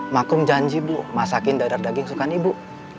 maklum janji bu masakin dadar daging suka ibu